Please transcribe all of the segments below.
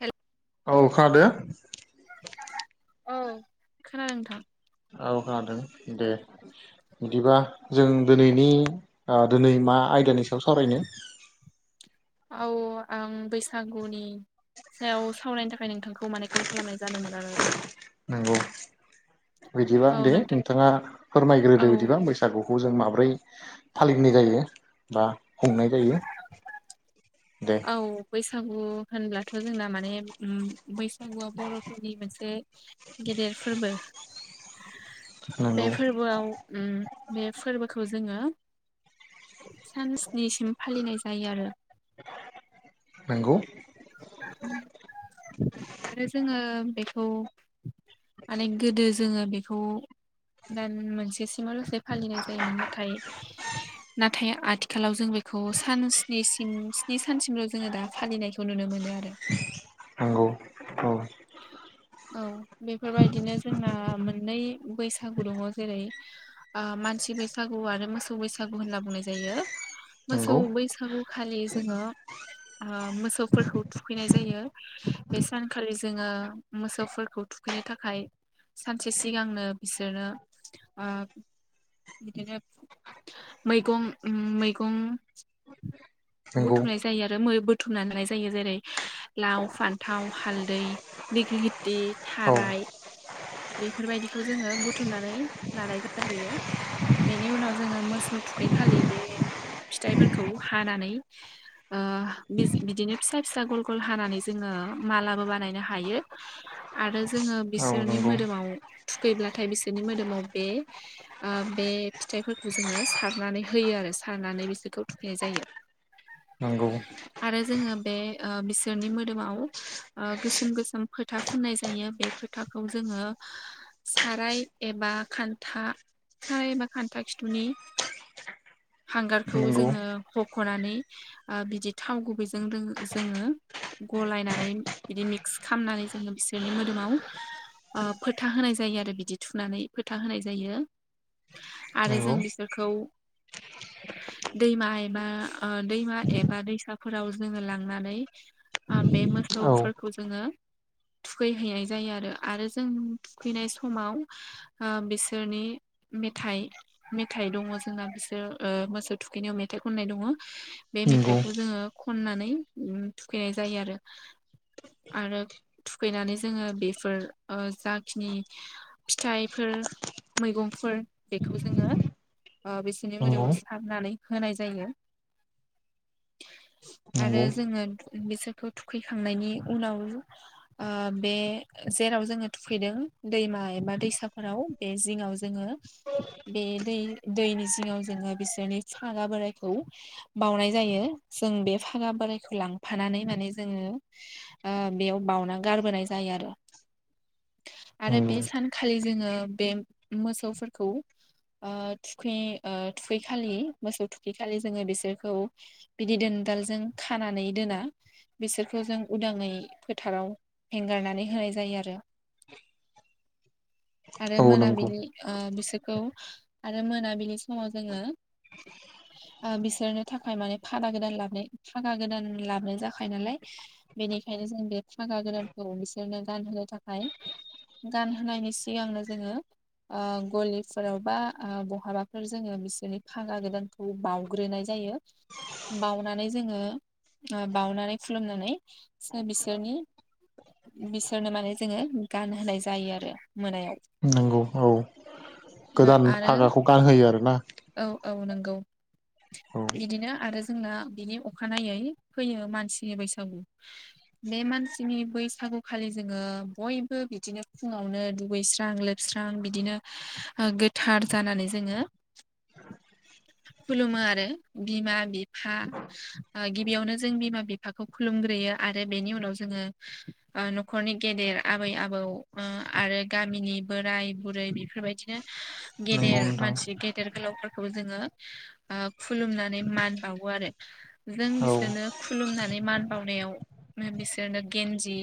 ह औ अखा दे। औ खोनादों नोंथां। औ खोनादों दे बिदिबा जों दिनैनि दिनै मा आयदानि सायाव सावरायनो। औ आं बैसागुनि। सायाव सावरायनायनि थाखाय नोंथांखौ माने कल खालामनाय जादोंमोन आरो। नंगौ बिदिबा औ दे नोंथां नोंथाङा औ फोरमायग्रोदो बिदिबां बैसागु खौ जों माब्रै फालिनाय जायो बा हमनाय जायो। दे औ बैसा बैसागु होनब्लाथ' जोंना माने ओ बैसागुआ बर'फोरनि मोनसे गेदेर फोरबो बे नंगौ फोरबोआव ओ बे फोरबोखौ जोङो सान स्निसिम फालिनाय जायो आरो। नोंगौ। आरो जोङो बेखौ माने गोदो जोङो बेखौ दान मोनसेसिमालासे फालिनाय जायोमोन नाथाय नाथाय आथिखालाव जों बेखौ सान स्निसिम स्नि सानसिमल' जोङो दा फालिनायखौ नुनो मोनो आरो। नंगौ औ औ बेफोरबायदिनो जोंना मोननै बैसागु दङ जेरै आम मानसि बैसागु आरो मोसौ बैसागु होनना बुंनाय जायो। मोसौ नंगौ बैसागु खालि जोङो ओ मोसौफोरखौ थुखैनाय जायो। बे सानखालि जोङो मोसौफोरखौ थुखैनो थाखाय सानसे सिगांनो बिसोरनो ओ बिदिनो मैगं उम मैगं नंगौ बुथुमनाय जायो आ बो मो बुथुमनानै जायो जेरै लाव फान्थाव हालदै दिगलिति। औ खाराय बेफोरबायदिखौ जोङो बुथुमनानै लानाय जाग्रोयो बेनि उनाव जोङो मोसौ थु थुखै खालि बे फिथाइफोरखौ हानानै ओ बिज बिदिनो फिसा फिसा गल गल हानानै जोङो ओ मालाबो बानायनो हायो आरो जोङो औ बिसोरनि नंगौ मोद‌ दोमाव थुखैब्लाथाय बिसोरनि मोदोमाव बे ओ बे फिथाइफोरखौ जोङो सार नानै होयो आरो सारनानै बिसोरखौ थुखैनाय जायो। नंगौ। आरो जोङो बे ओ बिसोरनि मोदोमाव ओ गोसोम गोसोम फोथा फुननाय जायो बे फोथाखौ जोङो साराय एबा खान्था सारायबा खान्था खिथुनि हांगारखौ नंगौ जोङो हख'नानै ओ बिदि थाव गुबैजों दों जोङो गलायनानै बिदि मिक्स खालामनानै जोङो बिसोरनि मोदोमाव ओ फोथा होनाय जायो आरो बिदि थुनानै फोथा होनाय जायो। आरो नंगौ जों बिसोरखौ दैमा एबा ओ दैमा एबा दैसाफोराव जोङो लांनानै ओ बे औ मोसौफोरखौ जोङो थुखैहैनाय जायो आरो आरो जों थुखैनाय समाव ओ बिसोरनि मेथाइ मेथाइ दङ जोंना। ओ मोसौ थुखैनायाव मेथाइ खननाय दङ बे नंगौ मेथाइखौ जोङो खननानै उम थुखैनाय जायो आरो आरो थुखैनानै जोङो बेफोर ओ जा खिनि फिथाइफोर मैगंफोर बेखौ जोङो ओ बिसोरनि नंगौ मोदोमाव सारनानै होनाय जायो। आरो नंगौ जोङो बिसोरखौ थुखैखांनायनि उनाव ओ बे बे जेराव जोङो थुख फैदों दैमा एबा दैसाफोराव बे जिङाव जोङो बे दै दैनि जिङाव जोङो बिसोरनि फागा बोरायखौ बाउनाय जायो जों बे फागा बोरायखौ ला लांफानानै माने जोङो ओ बेयाव बाउना गारबोनाय जायो आरो। आरो बे नंगौ सानखालि जोङो बे मोसौफोरखौ ओ थुखै ओ थुखैखालि मोसौ थुखै खालि जोङो बिसोरखौ बिदि दोन दालजों खानानै दोना बिसोरखौ जों उदाङै फोथाराव हेंगारनानै होनाय जायो आरो आरो औ नंगौ मोनाबिलि ओ बिसोरखौ आरो मोनाबिलि समाव जोङो ओ बिसोरनो थाखाय माने फादा गोदान लाबनाय फागा गोदान लाबनाय जाखायो नालाय बेनिखायनो जों बे फागा गोदानखौ बिसोरनो गानहोनो थाखाय गानहोनायनि सिगांनो जोङो ओ गलिफोराव बा ओ बहाबाफोर जोङो बिसोरनि फागा गोदानखौ बावउग्रोनाय जाय एयो बावनानै जोङो बावनानै खुलुमनानै बिसोरनि बिसोरनो माने जोङो गानहोनाय जायो आरो मोनायाव नंगौ औ गोदान आरो फागाखौ गानहोयो आरोना गौ औ बिदिनो आरो जोंना बिनि अखानायै फैयो मानसिनि बैसागु बे मानसिनि बैसागुखालि जोङो बय बिदिनो फुङावनो दुगैस्रां लोबस्रां बिदिनो ओ गोथार जानानै जोङो [inaudible] खुलुमो आरो बिमा बिफा ओ गिबियावनो जों बिमा बिफाखौ खुलुमग्रोयो आरो बेनि उनाव जोङो ओ न'खरनि गेदेर आबै आबौ ओ आरो गामिनि बोराय बुरै बेफोरबायदिनो नंगौ गेदेर नोंथां मानसि गेदेर गोलावफोरखौ जोङो ओ खुलुमनानै मान बावो आरो जों बि औ बिसोरनो खुलुमनानै मान बावनायाव बिसोरनो गेन्जि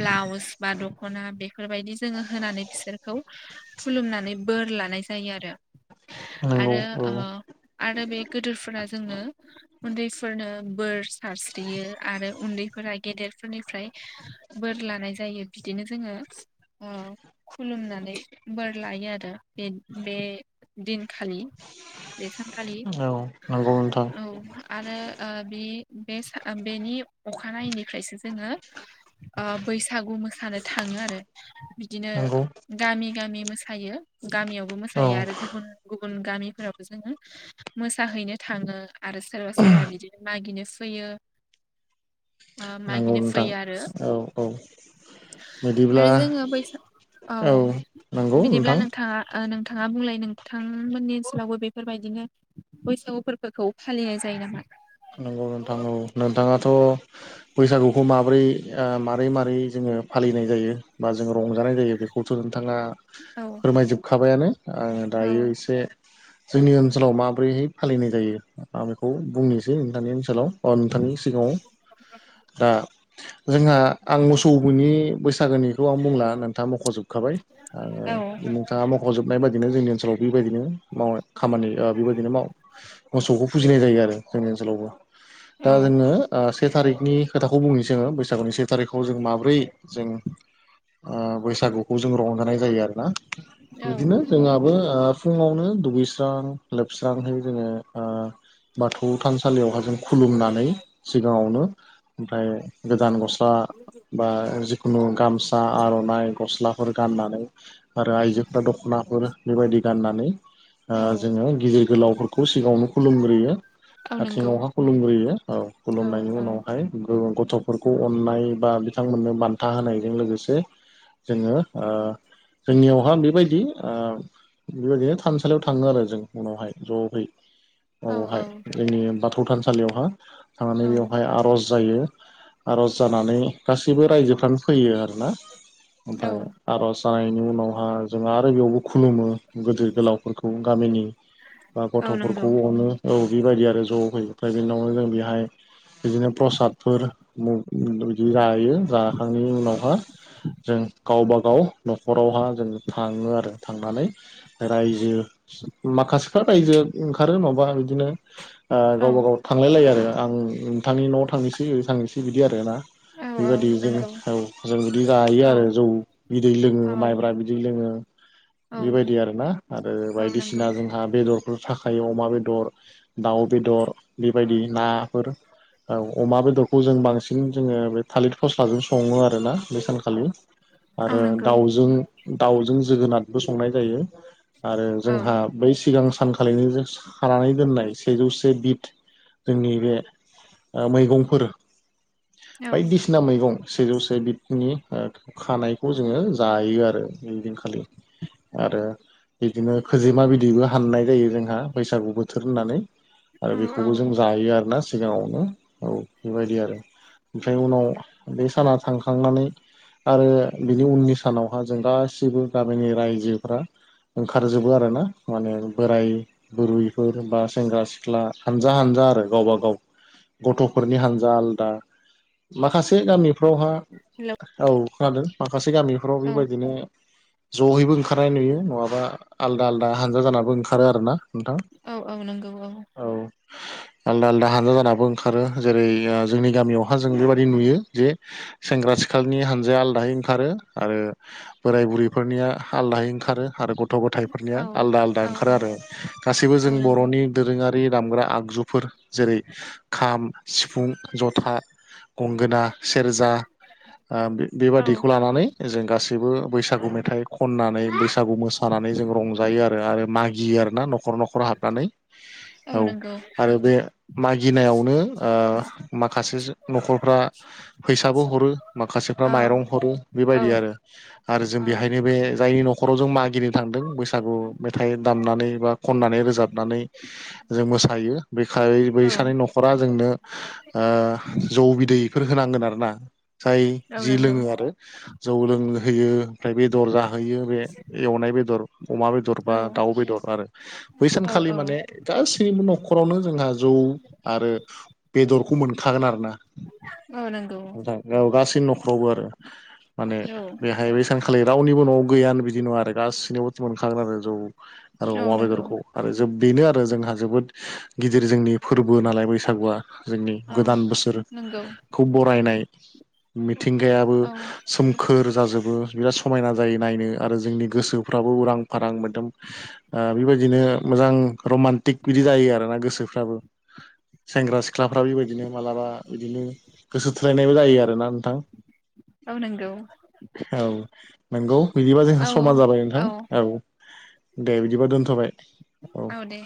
ब्लाउस बा दख'ना बेफोरबायदि जोङो होनानै बिसोरखौ खुलुमनानै बोर लानाय जायो आरो नंगौ आरो औ ओ आरो बे गोदोरफोरा जोंनो उन्दैफोरनो बोर सारस्रियो आरो उन्दै फोरा गेदेरफोरनिफ्राय बोर लानाय जायो बिदिनो जोङो अ खुलुमनानै बोर लायो आरो बे बे दिनखालि बेसनखालि औ नंगौ नोंथां औ आरो ओ बे बेनि अखानायैनिफ्रायसो जोङो ओ बैसागु मोस मोसानो थाङो आरो बिदिनो नंगौ गामि गामि मोसायो गामियावबो औ मोसायो आरो गुबुन गुबुन गामिफोरावबो जोङो मोसाहैनो थाङो आरो सोरबा सोरबा बिदिनो म मागिनो फैयो ओ नंगौ मागिनो नोंथां फैयो आरो औ औ बिदिब्ला आरो जोङो बैस औ नंगौ बिदिब्ला नोंथां नोंथाङा ओ नोंथाङा बुंलाय नोंथांमोननि ओसोलावबो बेफोरबायदिनो बैसागुफोरखौ फालिनाय जायो नामा नंगौ नोंथां नोंथाङाथ' बैसागुखौ माबोरै ओ मारै मारै जोङो फालिनाय जायो बा जोङो रंजानाय जायो बेखौथ' नोंथाङा औ फोरमायजोबखाबायानो आं औ दायो एसे जोंनि ओनसोलाव माबोरैहाय फालिनाय जायो आं बेखौ बुंनोसै नोंथांनि ओनसोलाव अ नोंथांनि सिगाङाव दा जोंहा आं मोसौ नि बैसागोनिखौ आं बुंला नोंथाङा मख'जोबखाबाय आं औ नोंथाङा मख'जोबनाय बायदि बिदिनो जोंनि ओनसोलाव बेबायदिनो मावनाय खामानि बेबायदिनो माव मोसौखौ फुजिनाय जायो आरो जोंनि ओनसोलावबो दा जोङो से थारिखनि खोथाखौ बुंनोसै आङो बैसागुनि से थारिखखौ जों माबोरै ब्रै जों ओ बैसागुखौ जों रंजानाय जायो आरो ना औ बिदिनो जोंहाबो ओ फुङावनो दुगैस्रां लोबस्रांहै जोङो ओ बाथौ थानसालियावहा जों खुलुमनो दायो सिगाङावनो ओमफ्राय गोदान गस्ला बा जिखुनु गामसा आर'नाइ गलाफोर गान्नानै आरो आइजो फोरा दख'नाफोर बेबादि गान्ना ओ औ जोङो गिदिर गोलावफोरखौ सिगाङावनो खुलुमग्रोयो औ नंगौ आथिआवहाय खुलुमग्रोयो औ खुलुमनायनि उनावहाय गथ'फोरखौ अननाय बा बिथांमोननो बान्था होनायजों लोगोसे जोङो ओ जोंनियावहा बेबायदि ओ बेबायदिनो थानसालियाव थाङो आरो जों उनावहाय ज'है। औ ओवहाय जोंनि बाथौ थानसालियावहा औ थांनानै बेवहाय आर'ज जायो आर'ज जानानै गासैबो रायजोफ्रानो फैयो आरोना औ ओमफ्राय आर'ज जानायनि उनावहा जोङा आरो बेयावबो खुलुमो गोदोर गोलावफोरखौ गामिनि बा औ नंगौ गथ'फोरखौ अनो औ बेबायदि आरो ज' [unintelligible] जों बेहाय बिदिनो प्रसादफोर मु बिदि जायो जाखांनायनि उनावहा जों गावबा गाव न'खरावहा जों थाङो आरो थांनानै रायजो माखासेफ्रा रायजो ओंखारो नवाबा बिदिनो ओ औ गावबा गाव थांलाय लायो आरो आं नोंथांनि न'आव थांनिसै ओ थांनिसै बिदि आरो ना। औ औ बेबादि जों नंगौ औ जों बिदि जायो औ आरो जौ बिदै औ लोङो माइब्रा बिदै लोङो। ङो औ बेबायदि आरोना आरो औ नंगौ बायदिसिना जोंहा बेदर थाखायो अमा बेदर दाउ बेदर बेबायदि ना। फोर ओ अमा बेदरखौ जों बांसिन जोङो बे थालिद फस्लाजों सङो आरो ना बे सानखा खालि औ आरो नंगौ दाउजों दाउजों जोगोनादबो संनाय जायो। आरो औ जोंहा बै सिगां स सानखालिनो जोस खानानै दोननाय सेजौ से बिद जोंनि बे ओ मैगंफोर औ बायदिसिना मैगं। सेजौ से बिदनि ओ ख-खानायखौ जोङो जायो आरो ओदिनखालि ओ ओ बिदिनो खोजिमा बिदैबो हान्नाय जायो जोंहा बैसागु बोथोर होन्नानै। आरो औ औ बेखौबो जों जायो आरो ना सिगाङावनो औ बेबायदि आरो ओमफ्राय उनाव बे साना थांखांनानै आरो बिनि उननि सानावहा जों गासैबो गामिनि रायजोफ्रा ओंखारजोबो आरो ना माने बोराय बुरुयफोर बा सेंग्रा सिख्ला हानजा हानज जा आरो गावबा गाव गथ'फोरनि हानजा आलदा माखासे गामिफ्रावहा हेलौ औ खोनादों माखासे गामिफ्राव औ बेबायदिनो जहैबो ओंखारनाय नुयो नङाबा आलदा आलदा हानजा जानाबो ओंखारो आरो ना। औ औ नोंगौ औ। आलदा आलदा हानजा जान नाबो ओंखारो जेरै ओ जोंनि गामियावहा जों बेबायदि नुयो जे सेंग्रा सिखालनि हानजाया आलदाहाय ओंखारो आरो बोराय बुरैफोरनिया हालदाहाय ओंखारो आरो गथ थ' गथायफोरनिया औ आलदा आलदा औ ओंखारो औ आरो गासैबो औ जों नंगौ बर'नि दोरोङा रि दामग्रा आगजुफोर जेरै खाम सिफुं जथा। गंगोना सेरजा। ओ औ बे-बेबादिखौ लानानै जों गासैबो बैसागु मेथाइ खननानै बैसागु मोसाना नै जों रंजायो आरो आरो मागियो आरो ना नखर नखर हाबनानै औ आरो बे मागि गिनायावनो ओ माखासेज न'खरफ्रा फैसाबो हरो माखासेफ्रा मा औ माइरं हरो औ बेबायदि आरो आरो जों औ बेहायनो बे जायनि नख खराव जों मागिनो थांदों बैसागु मेथाइ दामनानै बा खन्नानै रोजाबनानै जों मो सायो बेखाय बैस बा जोंनो ओ जौ बिदैफोर होनांगोन आरोना। जाय औ जि नंगौ लोङो आरो जौ लोंहैयो ओमफ्राय बेदर जाहोयो बे एवनाय बेदर। अमा बेदर औ बा दाउ बेदर आरो बै औ सानखालि औ माने गासैबो न'खरावनो जोंहा जौ ओ बेदरखौ मोनखागोन आरो ना औ नंगौ औ नंगौ नोंथां औ गासै न'ख रावबो आरो माने बेहाय बे सानखालि रावनिबो न'आव गैयानो बिदि नुवा आरो गासैनियावबोथ मोनखागोन आरो जौ। आरो औ अमा नंगौ बेदरखौ आरो जोब बेनो आरो जोंहा जोबोद गिदिर जोंनि फोरब बो नालाय बैसागुआ जोंनि औ गोदान बोसोर खौ बरायनाय। मिथिंगायाबो सोमखोर जाजोबो बिराद समायना जायो नायनो। आरो जोंनि गोसोफ्राबो उरां फारां मोदोम ओ बिबायदिनो मोजां रमान्टिक बिदि जायो आरो ना गोसोफ्राबो। [inaudible] सेंग्रा सिख्लाफ्रा बेबायदिनो मालाबा बिदिनो गोसो थोलायनायबो जायो आरोना नोंथां औ नंगौ [inaudible] औ नोंगौ बिदिबा जोंहा औ समा जाबाय नोंथां औ। दे बिदिबा दोनथ'बाय। औ दे